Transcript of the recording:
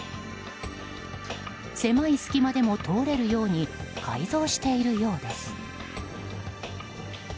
狭い隙間でも通れるように改造しているようです。